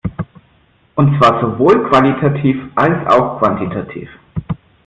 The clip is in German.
Und zwar sowohl qualitativ als auch quantitativ.